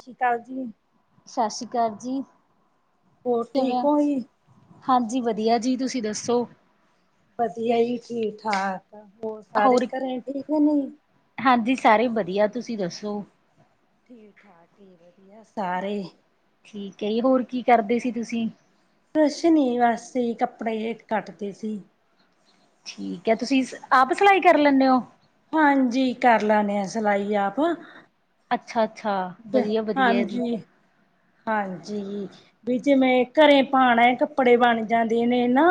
ਸ੍ਰੀ ਕਾਲ ਜੀ। ਸਸੀ਼ ਅਕਾਲ ਜੀ। ਹੋਰ ਠੀਕ ਹੋ ਜੀ ਹਾਂਜੀ, ਵਧੀਆ ਜੀ ਤੂਸੀ ਦੱਸੋ? ਵਧੀਆ ਹੀ ਠੀ ਠਾਕ ਹੋਰ ਸਾਰੇ ਘਰੇ ਠੀਕੇ ਨਈ? ਹਾਂਜੀ ਸਾਰੇ ਵਦੀਆ ਤੂਸੀ ਦੱਸੋ? ਠੀ ਠਾਕ ਜੀ ਵਧੀਆ ਸਾਰੇ। ਠੀਕੈ, ਹੋਰ ਕੀ ਕਰਦੇ ਸੀ ਤੂਸੀ? ਕੁਸ਼ਨੀ ਵਸ ਜੀ ਕੱਪੜੇ ਜੈ ਕੱਟਦੀ ਸੀ। ਠੀਕੈ ਤੂਸੀ ਆਪ ਸਲਾਈ ਕਰ ਲੈਂਨੇ ਓ? ਹਾਂਜੀ, ਕਾਰ ਲੈਨੇ ਆ ਸਲਾਈ ਆਪ। ਅੱਛਾ, ਅੱਛਾ ਵਦੀਆ ਵਦੀਆ ਏ ਜੀ। ਹਾਂਜੀ। ਹਾਂਜੀ, ਵੀ ਜੈ ਮੈਂ ਘਰੇ ਪਾਣੈ ਏਕ ਕੱਪੜੇ ਬਣ ਜਾਂਦੇ ਨੇ ਨਾ,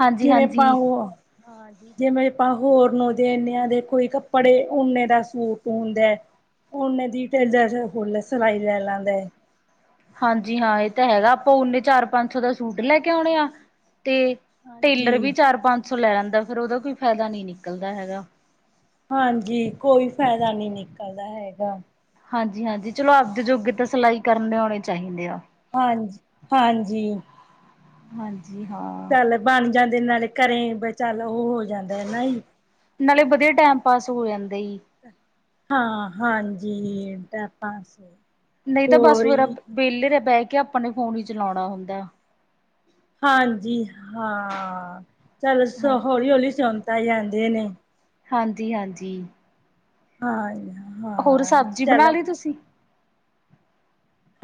ਹਾਂਜੀ ਜਿਵੇਂ ਪਾਂ ਹਾਂਜੀ। ਉਂ, ਹਾਂਜੀ। ਜਿਵੇਂ ਆਪਾਂ ਹੋਰ ਨੂੰ ਦੇਨੇ ਹਾਂ ਜੈ ਕੋਈ ਕੱਪੜੇ ਓਨੇ ਦਾ ਸੂਟ ਹੁੰਦਾ ਉਹਨੇ ਦੀ ਟੇਲਰੁ ਸਿਲਾਈ ਲੈ ਲੈਂਦਾ ਹਾਂਜੀ ਹਾਂ ਇਹ ਤਾਂ ਹੈਗਾ ਆਪਾਂ ਓਨੇ ਚਾਰ ਪੰਜ ਸੌ ਦਾ ਸੂਟ ਲੈ ਕੇ ਆਉਣੇ ਆ ਤੇ ਟੇਲਰ ਵੀ ਹਾਂਜੀ, ਚਾਰ ਪੰਜ ਸੌ ਲੈ ਲੈਂਦਾ ਫੇਿਰ ਉਹਦਾ ਕੋਈ ਫਾਇਦਾ ਨਹੀਂ ਨਿਕਲਦਾ ਹੈਗਾ ਹਾਂਜੀ, ਕੋਈ ਫੈਦਾ ਨੀ ਨਿਕਲਦਾ ਹੈਗਾ। ਹਾਂਜੀ, ਹਾਂਜੀ ਚਲੋ ਆਪਦੇ ਜੋਗੇ ਤਾ ਸਿਲਾਈ ਕਰਨੈ ਆਉਣੇ ਚਾਹੀਦੇ ਆ। ਹਾਂਜੀ, ਹਾਂਜੀ। ਹਾਂਜੀ, ਹਾਂ। ਚਲ ਬਣ ਜਾਂਦੇ ਨਾਲੇ ਘਰੇ ਬੀ ਚਲ ਓ ਹੋ ਜਾਂਦਾ ਹੈਨਾ ਜੀ ਨਾਲੇ ਵਦੀਆ ਟੈਮ ਪਾਸ ਹੋ ਜਾਂਦਾਈ। ਹਾਂ, ਹਾਂਜੀ ਟੈਮ ਪਾਸ ਨਈ ਤਾ ਬਸ ਫੇਰ ਅਪ ਵੈਲੇ ਜੇ ਬੈਕੇ ਅਪਾਂ ਨੇ ਫੋਨ ਈ ਚਲੋਣਾ ਹੁੰਦੈ। ਹਾਂਜੀ ਹਾਂ, ਚਲ ਸ ਹਾਂ ਹੌਲੀ, ਹੌਲੀ ਸੋਮ ਤਾ ਜਾਂਦੇ ਨੇ। ਹਾਂਜੀ, ਹਾਂਜੀ। ਹਾਂ ਜੀ ਹਾ ਹੋਰ ਸਬਜੀ ਬਨਾ ਲੀ ਤੂਸੀ?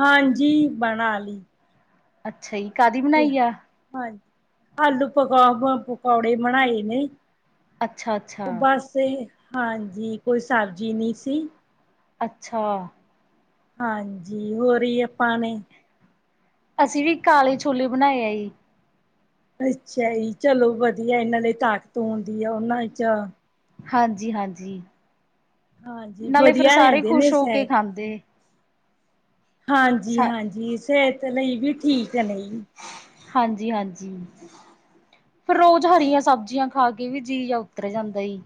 ਹਾਂਜੀ, ਬਣਾ ਲੀ। ਅੱਛਾਈ, ਕਾਦੀ ਬਨਾਈ ਆ? ਹਾਂਜੀ, ਆਲੂ ਪਕੋ ਪਕੌੜੇ ਬਣਾਏ ਨੇ। ਅੱਛਾ, ਅੱਛਾ। ਤੇ, ਹਾਂਜੀ ਕੋਈ ਸਬਜੀ ਨੀ ਸੀ। ਅੱਛਾ। ਹਾਂਜੀ, ਹੋ ਜੀ ਆਪਾ ਨੇ ਅਸੀ ਵੀ ਕਾਲੇ ਛੋਲੇ ਬਨਾਏ ਏ ਜੀ। ਅੱਛਾ ਜੀ ਚਲੋ ਵਧੀਆ ਜੀ, ਨਾਲੇ ਤਾਕਤ ਹੁੰਦੀ ਐ ਓਨਾਂ ਚ ਹਾਂਜੀ, ਹਾਂਜੀ ਹਾਂਜੀ ਨਾਲੇ ਫੇਰ ਵਧੀਆ ਸਾਰੇ ਰਹਿੰਦੇ ਨੇ ਖੁਸ਼ ਹੋ ਕੇ ਸਿਹਤ ਖਾਂਦੇ। ਹਾਂਜੀ, ਸਾ ਹਾਂਜੀ ਸਿਹਤ ਲਈ ਵੀ ਠੀਕ ਨੇ ਹਾਂਜੀ, ਹਾਂਜੀ। ਫੇਰ ਰੋਜ ਹਰੀਆਂ ਸਬਜ਼ੀਆਂ ਖਾ ਕੇ ਵੀ ਜੀ ਉਤਰ ਜਾਂਦਾ ਈ।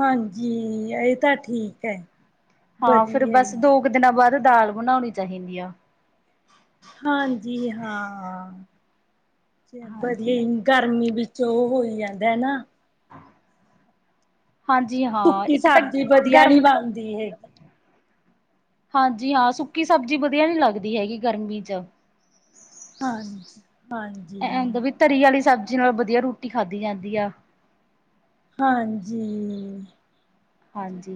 ਹਾਂਜੀ, ਏ ਤਾਂ ਠੀਕ ਐ। ਹਾਂ ਫੇਰ ਬਸ ਦੋ ਕ ਦਿਨਾ ਬਾਦ ਦਾਲ ਬਨਾਉਨੀ ਚਾਹੀਦੀ ਆ। ਹਾਂਜੀ, ਹਾਂ ਹਾਂਜੀ ਹਾਂਜੀ। [unintelligible] ਗਰਮੀ ਵਿਚ ਓ ਹੋਈ ਜਾਂਦਾ ਨਾ। ਹਾਂਜੀ ਹਾਂ ਸੁੱਕੀ ਇੱਕ ਤਾਂ ਸਬਜ਼ੀ ਵਧੀਆ ਨੀ ਗਰਮ ਬਣਦੀ ਹੈਗੀ। ਹਾਂਜੀ ਹਾਂ ਸੁੱਕੀ ਸਬਜ਼ੀ ਵਧੀਆ ਨੀ ਲੱਗਦੀ ਹੈਗੀ ਗਰਮੀ ਚ, ਹਾਂਜੀ, ਹਾਂਜੀ, ਐ ਹੁੰਦਾ ਵੀ ਤਰੀ ਵਾਲੀ ਸਬਜ਼ੀ ਨਾਲ ਵਧੀਆ ਰੋਟੀ ਖਾਧੀ ਜਾਂਦੀ ਆ। ਹਾਂਜੀ, ਹਾਂਜੀ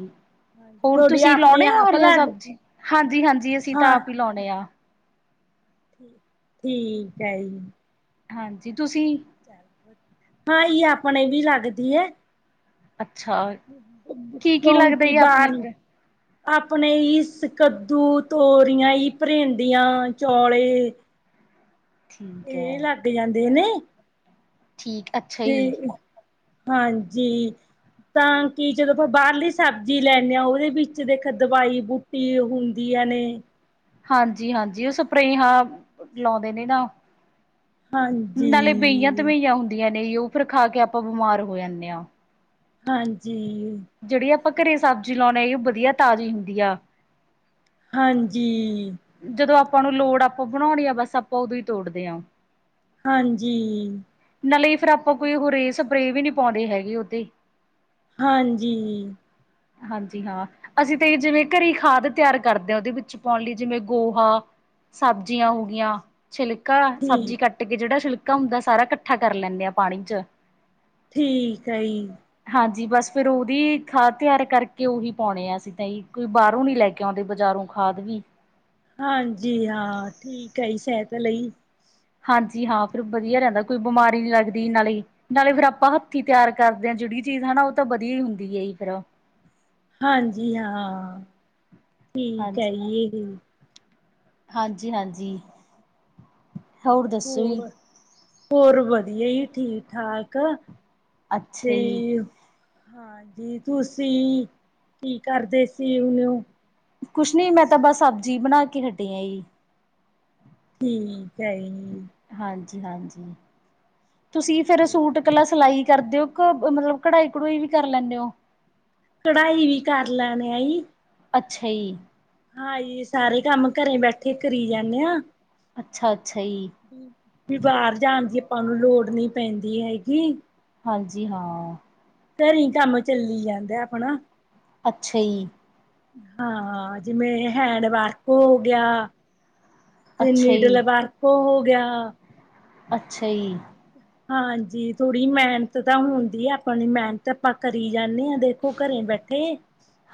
ਹਾਂਜੀ ਹੋਰ ਤੁਹਾਡੀ ਤੁਸੀਂ ਆਪਣੇ ਲਾਉਣੇ ਹੋ, ਆਪ ਲ ਹਰੀਆਂ ਸਬਜ਼ੀ ਹਾਂਜੀ-ਹਾਂਜੀ, ਅਸੀਂ ਤਾਂ ਹਾਂ ਆਪ ਹੀ ਲਾਉਣੇ ਆ [unintelligible] ਠੀਕ ਹੈ ਜੀ, ਹਾਂਜੀ, ਤੁਸੀਂ? ਹਾਂ ਆਪਣੇ ਵੀ ਲੱਗਦੀ ਹੈ। ਅੱਛਾ, ਕੀ ਕੀ ਲੱਗਦਾ ਕਿਉਕਿ ਜੀ ਆਪਣੇ [unintelligible] ਫਿਰ ਆਪਣੇ ਹੀ ਕੱਦੂ, ਤੋਰੀਆਂ, ਭਿੰਰਡੀਆਂ ਚੌਲੇ। ਠੀਕ ਇਹ ਹੈ ਲੱਗ ਜਾਂਦੇ ਨੇ ਠੀਕ ਅੱਛਾ ਤੇ, ਜੀ ਹਾਂਜੀ, ਤਾਂ ਕਿ ਜਦੋਂ ਆਪਾਂ ਬਾਹਰਲੀ ਸਬਜ਼ੀ ਲੈਂਦੇ ਹਾਂ, ਉਹਦੇ ਵਿੱਚ ਦੇਖ ਦਵਾਈ ਬੂ ਹੁੰਦੀਆਂ ਨੇ, ਹਾਂਜੀ, ਹਾਂਜੀ ਓ ਸਪ੍ਰੇਹਾਂ ਲੌਂਦੇ ਨੇ ਨਾ। ਹਾਂਜੀ ਨਾਲੇ ਬੇਈਆਂ ਤਬੇਈਆਂ ਹੁੰਦੀਆਂ, ਨੇ ਜੀ ਓ ਫਿਰ ਖਾ ਕੇ ਆਪਾਂ ਬਿਮਾਰ ਹੋ ਜਾਂਨੇ ਆ। ਹਾਂਜੀ। ਜੇੜੀ ਅਪਾਂ ਘਰੇ ਸਾਬਜੀ ਲੌਨੇ ਆ, ਵਧੀਆ ਤਾਜੀ ਹੁੰਦੀ ਆ। ਹਾਂਜੀ, ਜਦੋਂ ਆਪਾਂ ਨੂੰ ਲੋੜ ਆਪਾਂ ਬਣਾਉਣੀ ਆ ਬਸ ਆਪਾਂ ਉਦੋਂ ਹੀ ਤੋੜਦੇ ਹਾਂ, ਹਾਂਜੀ, ਨਾਲੇ ਫੇਰ ਆਪਾਂ ਕੋਈ ਹੋਰੇ ਸਪਰੇ ਵੀ ਨੀ ਪਾਉਂਦੇ ਹੈਗੇ, ਉਹਦੇ- ਹਾਂਜੀ, ਹਾਂਜੀ ਹਾਂ, ਅਸੀਂ ਤੇ ਜਿਵੇਂ ਘਰੇ ਖਾਦ ਤਿਆਰ ਕਰਦੇ ਹਾਂ, ਉਹਦੇ ਵਿੱਚ ਪਾਉਣ ਲਈ ਜਿਵੇਂ ਗੋਹਾ ਸਬਜ਼ੀਆਂ ਹਾਂ ਹੋਗਿਆਂ, ਛਿਲਕਾ ਸਬਜ਼ੀ ਠੀਕ ਕੱਟ ਕੱਟ ਕੇ ਜਿਹੜਾ ਸ਼ਿਲਕਾ ਹੁੰਦਾ, ਸਾਰਾ ਇਕੱਠਾ ਕਰ ਲੈਂਦੇ ਆ ਪਾਣੀ ਚ ਠੀਕ ਆ ਜੀ, ਹਾਂਜੀ ਬਸ ਫੇਰ ਉਹਦੀ ਖਾਦ ਤਿਆਰ, ਕਰਕੇ ਉਹੀ ਪਾਉਣੇ ਆ ਅਸੀਂ ਤਾਂ ਕੋਈ ਬਾਹਰੋਂ ਨੀ ਲੈ ਕੇ ਆਉਂਦੇ ਬਜ਼ਾਰੋਂ ਖਾਦ ਵੀ ਹਾਂਜੀ ਹਾਂ ਠੀਕ ਹੈ, ਜੀ ਸਹਿਤ ਲਈ, ਹਾਂਜੀ ਹਾਂ, ਫਿਰ ਵਧੀਆ ਰਹਿੰਦਾ ਕੋਈ ਬਿਮਾਰੀ ਨਹੀਂ ਲੱਗਦੀ ਇਹਨਾਂ ਲਈ। ਨਾਲੇ ਫੇਰ ਆਪਾਂ ਹੱਥੀ ਤਿਆਰ ਕਰਦੇ ਹਾਂ, ਜਿਹੜੀ ਚੀਜ਼ ਹੈ ਉਹ ਤਾਂ ਵਧੀਆ ਹੀ ਹੁੰਦੀ ਹੈ ਫੇਰ। ਹਾਂਜੀ ਹਾਂ, ਠੀਕ ਹੈ ਜੀ, ਹਾਂਜੀ-ਹਾਂਜੀ, ਹੋਰ ਦੱਸੋ ਈ? ਹੋਰ ਹੋਰ ਵਧੀਆ ਹੀ ਠੀਕ-ਠਾਕ ਅੱਛਾ ਤੇ, ਜੀ ਹਾਂਜੀ, ਤੁਸੀਂ ਕੀ ਕਰਦੇ ਸੀ ਹੁੰਨੇ ਐ? ਕੁਛ ਨੀ ਮੈਂ ਤਾਂ ਬਸ, ਸਬਜ਼ੀ ਬਣਾ ਕੇ ਹਟੀ ਆਈ ਜੀ। ਠੀਕ ਹੈ ਜੀ, ਹਾਂਜੀ- ਹਾਂਜੀ, ਤੁਸੀਂ ਫੇਰ ਸੂਟ ਠੀਕ ਕਲਾ ਸਿਲਾਈ ਕਰਦੇ ਹੋ? ਮਤਲਬ ਕਢਾਈ- ਕਢੂਈ ਵੀ ਕਰ ਲੈਂਦੇ ਹੋ? ਕਢਾਈ ਵੀ ਕਰ ਲੈਨੇ ਆ ਜੀ। ਅੱਛਾ ਜੀ, ਹਾਂਜੀ, ਸਾਰੇ ਕੰਮ ਘਰੇ ਬੈਠੇ ਕਰੀ ਜਾਂਦੇ ਆ। ਅੱਛਾ- ਅੱਛਾ ਜੀ। ਵੀ ਬਾਹਰ ਜਾਣ ਦੀ ਆਪਾਂ ਨੂੰ ਲੋੜ ਨੀ ਪੈਂਦੀ ਹੈਗੀ। ਹਾਂਜੀ, ਹਾਂ। ਘਰੇ ਕੰਮ ਚੱਲੀ ਜਾਂਦਾ ਆਪਣਾ। ਅੱਛਾ ਇ ਯੇ। ਹਾਂ, ਜਿਵੇਂ ਹੈਂਡ ਵਰਕ ਹੋ ਗਿਆ। ਤੇ, ਅੱਛਾ ਨੀਡਲ ਜੀ ਵਰਕ ਹੋ ਗਿਆ। ਅੱਛਾ ਜੀ। [inaudible] ਹਾਂਜੀ, ਥੋੜੀ ਮਿਹਨਤ ਤਾਂ ਹੁੰਦੀ ਆ। ਆਪਾਂਣੀ ਮਿਹਨਤ ਆਪਾਂ ਕਰੀ ਜਾਂਨੇ ਹਾਂ ਦੇਖੋ ਘਰੇ ਬੈਠੇ।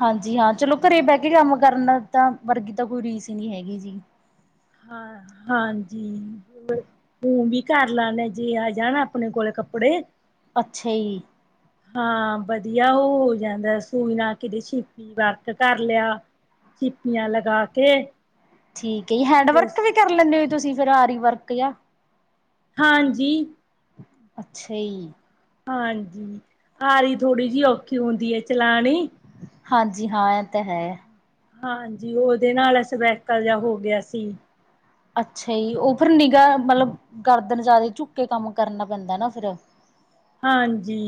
ਹਾਂਜੀ ਹਾਂ, ਚਲੋ ਘਰੇ ਬਹਿ ਕੇ ਕੰਮ ਕਰਨ ਦਾ ਤਾਂ, ਵਰਗੀ ਤਾਂ ਕੋਈ ਰੀਸ ਹੀ ਨਹੀਂ ਹੈਗੀ ਜੀ। ਹਾਂ, ਹਾਂਜੀ ਤੂੰ ਵੀ। ਘਰ ਲਾਉਦੇ ਜੇ ਆ, ਜਾਣਾ ਆਪਣੇ ਕੋਲੇ ਕੱਪੜੇ। ਅੱਛਾ ਜੀ। ਹਾਂ ਵਧੀਆ, ਉਹ ਹੋ ਜਾਂਦਾ ਸੂਈ ਨਾ ਕਿਦੇ ਸ਼ੀ। ਵਰਕ ਕਰ ਲਿਆ, ਸਿਪੀਆਂ ਲਗਾ ਕੇ। ਠੀਕ ਹੈ ਜੀ, ਹੈਂਡ ਕਿਤੇ ਵਰਕ ਵੀ ਕਰ ਲੈਂਦੇ ਹੋ ਤੁਸੀਂ? ਫੇਰ ਆਰੀ ਵਰਕ ਜਾਂ। ਹਾਂਜੀ। ਅੱਛਾ ਜੀ। ਹਾਂਜੀ, ਆਰੀ ਥੋੜੀ ਜਿਹੀ, ਔਖੀ ਹੁੰਦੀ ਹੈ ਚਲਾਣੀ। ਹਾਂਜੀ ਹਾਂ, ਇਹ ਤਾਂ ਹੈ। ਹਾਂਜੀ ਉਹਦੇ ਨਾਲ, ਸਵੈਕਲ ਜਿਹਾ ਹੋ ਗਿਆ ਸੀ। ਅੱਛਾ ਜੀ। ਉਹ ਫੇਰ ਨਿਗਾਹ ਮਤਲਬ, ਗਰਦਨ ਜ਼ਿਆਦਾ, ਝੁੱਕ ਕੇ ਕੰਮ ਕਰਨਾ ਪੈਂਦਾ ਨਾ ਫੇਰ, ਹਾਂਜੀ।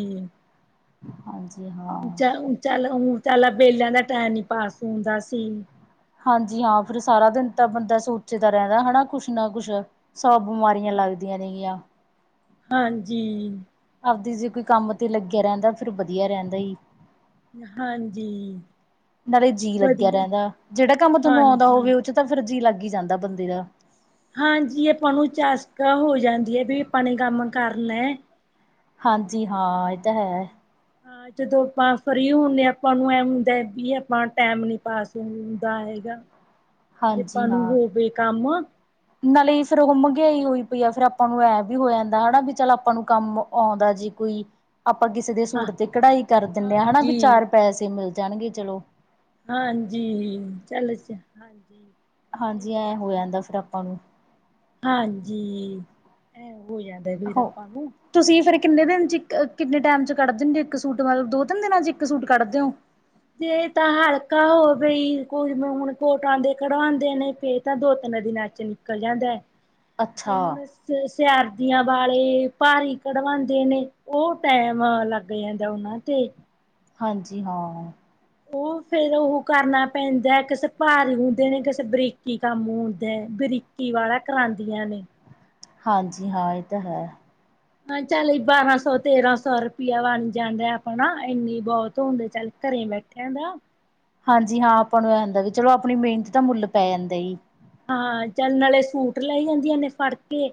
ਹਾਂਜੀ ਹਾਂ। ਚ ਚੱਲ ਹ ਚੱਲ ਵਿਹਲਿਆਂ ਦਾ, ਟਾਈਮ ਨੀ ਪਾਸ ਹੁੰਦਾ ਸੀ। ਹਾਂਜੀ ਹਾਂ, ਫੇਰ ਸਾਰਾ ਦਿਨ ਤਾਂ ਬੰਦਾ ਸੋਚਦਾ ਰਹਿੰਦਾ। ਹਨਾ ਕੁਛ ਨਾ ਕੁਛ, ਸੋ ਬਿਮਾਰੀਆਂ ਹਾਂ ਲੱਗਦੀਆਂ ਨੇਗੀਆਂ। ਹਾਂਜੀ। ਆਪਦੀ ਜੀ, ਕੋਈ ਕੰਮ ਤੇ ਲੱਗਿਆ ਰਹਿੰਦਾ। ਫੇਰ ਵਧੀਆ ਰਹਿੰਦਾ ਹੀ। ਹਾਂਜੀ ਨਾਲੇ ਜੀਅ ਲੱਗਿਆ ਵਧੀਆ ਰਹਿੰਦਾ। ਜਿਹੜਾ ਕੰਮ ਤੁਹਾਨੂੰ ਆਉਂਦਾ ਹਾਂਜੀ ਹੋਵੇ। ਉਹ ਚ ਤਾਂ ਫੇਰ ਜੀ ਲੱਗ ਹੀ ਜਾਂਦਾ ਬੰਦੇ ਦਾ। ਹਾਂਜੀ, ਆਪਾਂ ਨੂੰ ਚਾਸਕਾ ਹੋ ਜਾਂਦੀ ਹੈ ਵੀ, ਆਪਾ ਨੇ ਕੰਮ ਕਾਰਨਾ ਏ। ਹਾਂਜੀ ਹਾਂ, ਇਹ ਤਾਂ ਹੈ। ਹਾਂ ਜਦੋਂ ਆਪਾਂ ਫਰੀ ਹੁੰਦੇ ਹਾਂ, ਆਪਾਂ ਨੂੰ ਐ ਹੁੰਦਾ ਵੀ, ਆਪਾਂ ਟਾਈਮ ਨੀ ਪਾਸ ਹੁੰਦਾ ਹੈਗਾ। ਜੇ ਆਪਾਂ ਹਾਂਜੀ ਨੂੰ ਹਾਂ ਹੋਵੇ ਕੰਮ ਨਾਲੇ ਫੇਰ ਉਹ ਮਹਿੰਗਈ ਹੋਈ ਪਈ ਆ। ਫੇਰ ਆਪਾਂ ਨੂੰ ਇਹ ਵੀ ਹੋ ਜਾਂਦਾ ਹਣਾ, ਵੀ ਚੱਲ ਆਪਾਂ ਨੂੰ ਕੰਮ ਆਉਂਦਾ ਜੀ ਕੋਈ। ਆਪਾਂ ਕਿਸੇ ਦੇ ਸੂਟ ਤੇ ਕਢਾਈ ਕਰ ਦਿੰਦੇ ਹਾਂ। ਹਨਾ ਵੀ ਹਾਂਜੀ ਚਾਰ ਪੈਸੇ ਮਿਲ ਜਾਣਗੇ ਚਲੋ। ਹਾਂਜੀ ਚੱਲ ਹਾਂਜੀ ਹਾਂਜੀ ਨਹੀਂ ਐ ਹੋ ਬਸ। ਜਾਂਦਾ ਫਿਰ ਆਪਾਂ ਨੂੰ ਹਾਂਜੀ ਐ ਹੋ ਜਾਂਦਾ ਫੇਰ ਹੋ ਆਪਾਂ ਨੂੰ। ਤੁਸੀਂ ਫੇਰ ਕਿੰਨੇ ਦਿਨ ਚ, ਇੱਕ ਕਿੰਨੇ ਟਾਈਮ ਚ ਕੱਢਦੇ ਇੱਕ ਸੂਟ। ਮਤਲਬ ਦੋ- ਤਿੰਨ ਦਿਨਾਂ ਚ ਇੱਕ ਸੂਟ ਕੱਢਦੇ ਹੋ? ਜੇ ਤਾਂ ਹਲਕਾ ਹੋ ਬਈ ਕੋਈ ਹੁਣ ਕੋਟ ਆਉਂਦੇ ਕਢਵਾਉਂਦੇ ਨੇ ਫਿਰ ਤਾਂ ਦੋ ਤਿੰਨ ਦਿਨਾਂ ਨਿਕਲ ਜਾਂਦਾ ਹੈ ਜੇ ਅੱਛਾ ਹੁਣ ਇਸ ਸਿਆਰਦੀਆਂ ਵਾਲੇ ਭਾਰੀ ਕਢਵਾਉਂਦੇ ਨੇ ਉਹ ਟੈਮ ਲੱਗ ਜਾਂਦਾ ਉਹਨਾਂ ਤੇ ਹਾਂਜੀ ਹਾਂ ਉਹ ਫੇਰ ਉਹ ਕਰਨਾ ਪੈਂਦਾ ਕਿਸੇ ਭਾਰੀ ਹੁੰਦੇ ਨੇ ਕਿਸੇ ਬਰੀਕੀ ਕੰਮ ਹੁੰਦਾ ਬਰੀਕੀ ਦੀਵਾਰਾਂ ਕਰਾਉਂਦੀਆਂ ਨੇ ਹਾਂਜੀ ਹਾਂ ਇਹ ਤਾਂ ਹੈ ਹਾਂ ਚੱਲ ਬਾਰਾਂ ਸੌ ਤੇਰਾਂ ਸੌ ਰੁਪਇਆ ਬਣ ਜਾਂਦਾ ਆਪਣਾ ਇੰਨੀ ਬਹੁਤ ਹੁੰਦੇ ਚੱਲ ਘਰੇ ਬੈਠੇ ਕੇਣਦਾ ਹਾਂਜੀ ਹਾਂ ਆਪਾਂ ਨੂੰ ਇਹ ਹਦਾ ਵੀ ਚਲੋ ਆਪਣੀ ਮਿਹਨਤ ਤਾਂ ਮੁੱਲ ਪੈ ਜਾਂਦਾ ਜੀ ਹਾਂ ਚੱਲ ਨਾਲੇ ਸੂਟ ਲੈ ਜਾਂਦੀਆਂ ਨੇ ਫੜ ਕੇ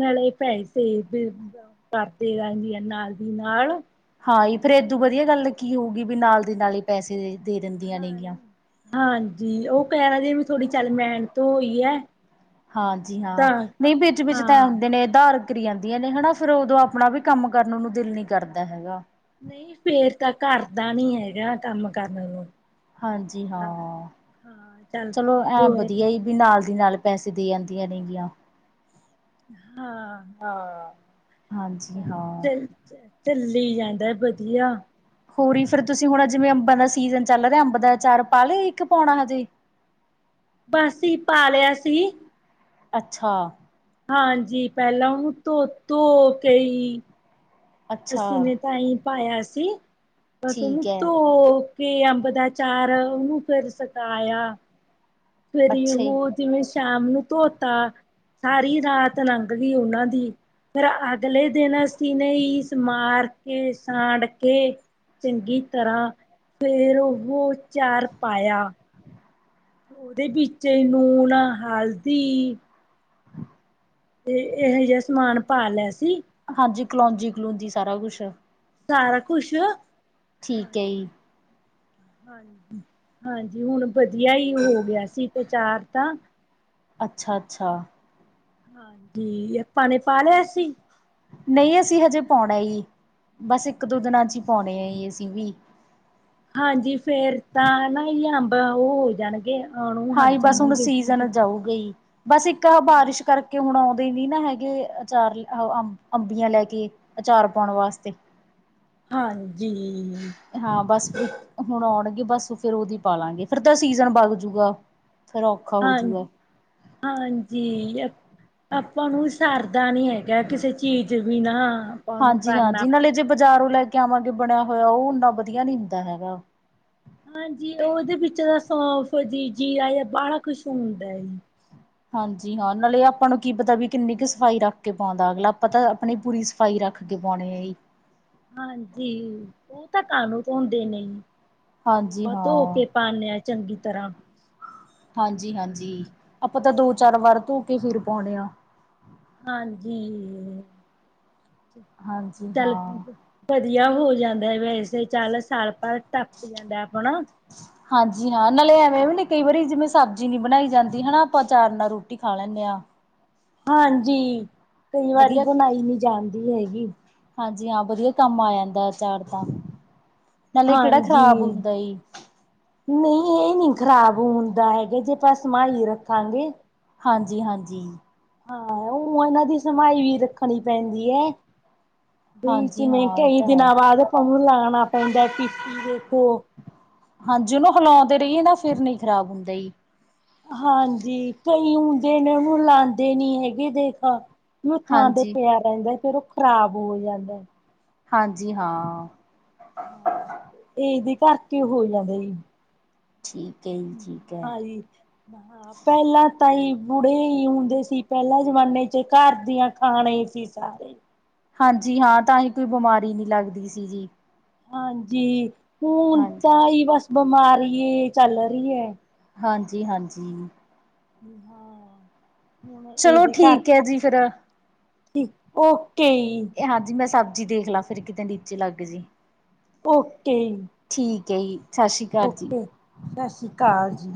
ਨਾਲੇ ਪੈਸੇ ਕਰਦੇ ਹੀ ਰਹਿੰਦੀ ਆ ਨਾਲ ਦੀ ਨਾਲ ਹਾਂ ਜੀ ਫੇਰ ਏਦੋਂ ਵਧੀਆ ਗੱਲ ਕੀ ਹੋਊਗੀ ਵੀ ਨਾਲ ਦੀ ਨਾਲ ਹੀ ਪੈਸੇ ਦੇ ਦਿੰਦੀਆਂ ਹਾਂ ਨੇਗੀਆਂ ਹਾਂਜੀ ਉਹ ਕਹਿ ਰਹੀ ਵੀ ਥੋੜ੍ਹੀ ਚੱਲ ਮਿਹਨਤ ਹੋਈ ਏ ਹਾਂਜੀ ਹਾਂ ਨਹੀਂ ਵਿੱਚ ਵਿੱਚ ਤਾਂ ਹਾਂ ਹੁੰਦੇ ਨੇ ਧਾਰ ਕਰੀ ਜਾਂਦੀਆਂ ਨੇ ਹਨਾ ਫੇਰ ਉਦੋਂ ਆਪਣਾ ਵੀ ਕੰਮ ਕਰਨ ਨੂੰ ਦਿਲ ਨੀ ਕਰਦਾ ਹੈਗਾ ਨਹੀਂ ਫੇਰ ਤਾਂ ਕਰਦਾ ਨੀ ਹੈਗਾ ਕੰਮ ਕਰਨ ਨੂੰ ਹਾਂਜੀ ਤਾਂ। ਹਾਂ ਹਾਂ ਚੱਲ ਚਲੋ ਐਂ ਦੋਰ ਵਧੀਆ ਈ ਵੀ ਨਾਲ ਦੀ ਨਾਲ ਪੈਸੇ ਦੇ ਆਦੀਆਂ ਨੇਗੀਆਂ ਹਾਂ ਹਾਂ ਹਾਂਜੀ ਹਾਂ। ਚ ਚ ਚੱਲੀ ਜਾਂਦਾ ਵਧੀਆ ਹੋਰ ਫਿਰ ਤੁਸੀਂ ਹੁਣ ਜਿਵੇਂ ਅੰਬਾਂ ਦਾ ਸੀਜ਼ਨ ਚੱਲ ਰਿਹਾ ਅੰਬ ਦਾ ਆਚਾਰ ਪਾ ਲਿਆ ਜੀ ਕਿ ਪੌਣਾ ਹਜੇ ਬਸ ਜੀ ਪਾ ਲਿਆ ਸੀ ਅੱਛਾ ਹਾਂਜੀ ਪਹਿਲਾਂ ਉਹਨੂੰ ਧੋ ਧੋ ਕੇ ਜੀ ਅੱਛਾ ਅਸੀ ਨੇ ਤਾਂ ਐਈ ਪਾਇਆ ਸੀ ਬਸ ਉਹਨੂੰ ਠੀਕ ਹੈ ਧੋ ਕੇ ਅੰਬ ਦਾ ਅਚਾਰ ਉਹਨੂੰ ਫਿਰ ਸਕਾਇਆ ਫਰੀ ਅੱਛਾ ਜੀ। ਹੋ ਜਿਵੇਂ ਸ਼ਾਮ ਨੂੰ ਧੋਤਾ ਸਾਰੀ ਰਾਤ ਲੰਘ ਦੀ ਉਹਨਾਂ ਦੀ ਫਿਰ ਅਗਲੇ ਦਿਨ ਅਸੀਂ ਨੇ ਇਸ ਮਾਰ ਕੇ ਸਾਂੜ ਕੇ ਚੰਗੀ ਤਰ੍ਹਾਂ ਫਿਰ ਉਹ ਅਚਾਰ ਪਾਇਆ ਉਹਦੇ ਵਿੱਚ ਨੂਣ, ਹਲਦੀ ਤੇ ਇਹੋ ਜਿਹਾ ਸਮਾਨ ਪਾ ਲਿਆ ਸੀ। ਹਾਂਜੀ ਕਲੋਂਜੀ ਕਲੂਜੀ ਸਾਰਾ ਕੁਛ ਸਾਰਾ ਕੁਛ ਠੀਕ ਹੈ ਜੀ ਹਾਂਜੀ ਹਾਂਜੀ ਹੁਣ ਵਧੀਆ ਹੀ ਹੋ ਗਿਆ ਸੀ ਆਚਾਰ ਤਾਂ ਅੱਛਾ, ਅੱਛਾ ਹਾਂਜੀ ਆਪਾਂ ਨੇ ਪਾ ਲਿਆ ਸੀ ਨਹੀਂ ਅਸੀਂ ਹਜੇ ਪਾਉਣਾ ਜੀ ਬਸ ਇੱਕ ਦੋ ਦਿਨਾਂ ਚ ਹੀ ਪਾਉਣੇ ਆ ਜੀ ਅਸੀਂ ਵੀ ਹਾਂਜੀ ਫੇਰ ਤਾਂ ਨਾ ਜੀ ਅੰਬ ਉਹ ਹੋ ਜਾਣਗੇ ਆਣੋ ਹਟ ਹਾਂਜੀ ਬਸ ਹੁਣ ਜਾਣਗੇ। ਸੀਜਨ ਜਾਊਗੀ ਈ ਬਸ ਇੱਕ ਇਹ‌ ਬਾਰਿਸ਼ ਕਰਕੇ ਹੁਣ ਆਉਂਦੇ ਨੀ ਨਾ ਹੈਗੇ ਅਚਾਰ ਅ ਅ ਅੰਬੀਆਂ ਲੈ ਕੇ ਅਚਾਰ ਪੌਣ ਵਾਸਤੇ ਹਾਂਜੀ ਹਾਂ ਬਸ ਫਿਰ ਹੁਣ ਆਉਣਗੇ ਬਸ ਫਿਰ ਉਦੀ ਪਾਲਾਂਗੇ ਫਿਰ ਤਾਂ ਸੀਜਨ ਬਗ ਜੂਗਾ ਫੇਰ ਔਖਾ ਹਾਂ ਹੋਜੂਗਾ ਹਾਂਜੀ ਆਪਾਂ ਨੂੰ ਸਰਦਾ ਨੀ ਹੈਗਾ ਕਿਸੇ ਚੀਜ਼ ਬਿਨਾ ਆਪਾਂ ਨੂੰ ਹਾਂਜੀ ਕਰਨਾ ਹਾਂਜੀ ਨਾਲੇ ਜੇ ਪੈਂਦਾ। ਬਾਜ਼ਾਰੋਂ ਲੈ ਕੇ ਆਵਾਂਗੇ ਬਣਿਆ ਹੋਇਆ ਉਹ ਓਨਾ ਵਧੀਆ ਨਹੀਂ ਹੁੰਦਾ ਹੈਗਾ ਹਾਂਜੀ ਉਹਦੇ ਵਿੱਚ ਤਾ ਸੌਫ ਜੀ ਜੀਰਾ ਵਾਲਾ ਕੁਛ ਹੁੰਦਾ ਜੀ ਹਾਂਜੀ ਹਾਂ ਨਾਲੇ ਆਪਾਂ ਨੂੰ ਕੀ ਪਤਾ ਵੀ ਕਿੰਨੀ ਕੁ ਸਫ਼ਾਈ ਰੱਖ ਕੇ ਪਾਉਂਦਾ, ਅਗਲਾ ਆਪਾਂ ਤਾਂ ਆਪਣੀ ਪੂਰੀ ਸਫਾਈ ਰੱਖ ਕੇ ਪੌਣੇ ਆ ਜੀ, ਹਾਂਜੀ, ਉਹ ਤਾਂ ਕਾਨੂੰ ਧੋਂਦੇ ਨੇ ਜੀ ਜਿਵੇਂ ਹਾਂਜੀ ਆਪਾਂ ਧੋ ਹਾਂ ਕੇ ਪਾਣੇ ਆ ਚੰਗੀ ਤਰ੍ਹਾਂ, ਹਾਂਜੀ-ਹਾਂਜੀ, ਆਪਾਂ ਤਾਂ ਦੋ ਚਾਰ ਵਾਰ ਧੋ ਕੇ ਫਿਰ ਪਾਉਣੇ ਆ। ਹਾਂਜੀ [unintelligible] ਹਾਂਜੀ ਚਲ ਹਾਂ ਵਧੀਆ ਹੋ ਜਾਂਦਾ, ਵੈਸੇ ਚੱਲ ਸਾਲ ਭਰ ਟਪ ਜਾਂਦਾ ਆਪਣਾ ਹਾਂਜੀ ਹਾਂ ਨਾਲੇ ਐਵੇਂ ਵੀ ਨੀ ਕਈ ਵਾਰੀ ਜਿਵੇਂ, ਸਬਜ਼ੀ ਨੀ ਬਣਾਈ ਜਾਂਦੀ ਹਨਾ, ਆਪਾਂ ਅਚਾਰ ਨਾਲ ਰੋਟੀ ਖਾ ਲੈਣੇ ਆ। ਹਾਂਜੀ, ਕਈ ਵਾਰੀ ਵਧੀਆ ਬਣਾਈ ਨਹੀਂ ਜਾਂਦੀ ਹੈਗੀ। ਹਾਂਜੀ ਹਾਂ, ਵਧੀਆ ਕੰਮ ਆ ਜਾਂਦਾ, ਅਚਾਰ ਤਾਂ ਨਾਲੇ ਕਿਹੜਾ ਹਾਂਜੀ। ਖ਼ਰਾਬ ਹੁੰਦਾ ਜੀ। ਨਹੀਂ ਇਹ ਨੀ ਖ਼ਰਾਬ ਹੁੰਦਾ ਹੈਗਾ, ਜੇ ਆਪਾਂ ਸੰਭਾਲੀ ਰੱਖਾਂਗੇ। ਹਾਂਜੀ-ਹਾਂਜੀ। ਹਾਂ ਉਹ ਇਹਨਾਂ ਦੀ ਸਫਾਈ ਵੀ ਰੱਖਣੀ ਪੈਂਦੀ ਹੈ। ਬਈ ਹਾਂਜੀ ਜਿਵੇਂ ਹਾਂ ਇਹ ਕਈ ਤਾਂ ਹੈ ਦਿਨਾਂ ਬਾਅਦ ਪੰਪ ਲਾਉਣਾ ਪੈਂਦਾ ਪੀਪੀ ਦੇਖੋ ਹਾਂਜੀ, ਉਹਨੂੰ ਹਿਲਾਉਂਦੇ ਰਹੀਏ ਨਾ ਫਿਰ ਨਹੀਂ ਖ਼ਰਾਬ ਹੁੰਦਾ ਹੀ। ਹਾਂਜੀ, ਕਈ ਹੁੰਦੇ ਨੇ ਉਹਨੂੰ ਲਾਦੇ ਨੀ ਹੈਗੇ ਦੇਖ ਵੀ ਥਾਂ ਤੇ ਹਾਂਜੀ ਪਿਆ ਰਹਿੰਦਾ, ਫੇਰ ਉਹ ਖ਼ਰਾਬ ਹੋ ਜਾਂਦਾ। ਹਾਂਜੀ, ਹਾਂ। ਇਹਦੇ ਕਰਕੇ ਹੋ ਜਾਂਦੇ ਨੇ। ਠੀਕ। ਹੈ ਜੀ ਠੀਕ ਹੈ ਹਾਂਜੀ ਹਾਂ ਪਹਿਲਾਂ ਤਾਂ ਹੀ ਬੁੜੇ ਹੀ ਹੁੰਦੇ ਸੀ ਪਹਿਲਾਂ ਜ਼ਮਾਨੇ ਚ ਘਰ ਦੀਆਂ ਖਾਣੇ ਹੀ ਸੀ ਸਾਰੇ। ਹਾਂਜੀ ਹਾਂ, ਤਾਂਹੀ ਕੋਈ ਬਿਮਾਰੀ ਨਹੀਂ ਲੱਗਦੀ ਸੀ ਜੀ। ਹਾਂਜੀ, ਹੁਣ ਹਾਂਜੀ ਤਾਂ ਹੀ ਬਸ ਬਿਮਾਰੀ ਚੱਲ ਰਹੀ ਹੈ। ਹਾਂਜੀ, ਹਾਂਜੀ। ਹਾਂ, ਹੁਣ ਚਲੋ ਇਹਦੇ ਘਰ ਠੀਕ ਹੈ ਜੀ ਫਿਰ ਠੀਕ ਓਕੇ ਜੀ। ਇਹ ਹਾਂਜੀ ਮੈਂ ਸਬਜ਼ੀ ਦੇਖ ਲਾ, ਫਿਰ ਕਿਤੇ ਨੀਚੇ ਲੱਗ ਜੀ। ਓਕੇ ਜੀ, ਠੀਕ ਏ ਜੀ, ਸਤਿ ਸ਼੍ਰੀ ਅਕਾਲ ਜੀ। ਓਕੇ ਸਤਿ ਸ੍ਰੀ ਅਕਾਲ ਜੀ,